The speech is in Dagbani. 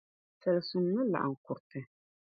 Sala suŋ ni laɣim kuriti.